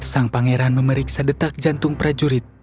sang pangeran memeriksa detak jantung prajurit